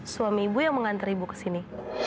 suami ibu yang mengantri ibu ke sini